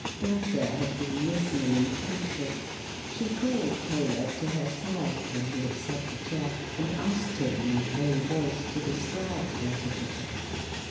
Bertha had been listening intently. She called Caleb to her side, when he had set the chair, and asked him, in a low voice, to describe their visitor.